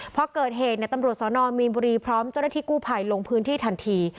เพราะเกิดเหตุในตำรวจซ้อนอนมีนบุรีพร้อมเจ้าได้ที่กู้ภัยลงพื้นที่ทันที